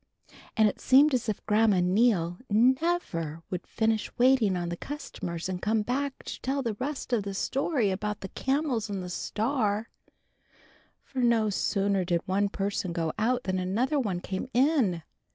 And it seemed as if Grandma Neal never would finish waiting on the customers and come back to tell the rest of the story about the Camels and the Star; for no sooner did one person go out than another one came in.